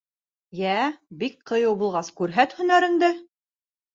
— Йә, бик ҡыйыу булғас, күрһәт һөнәреңде.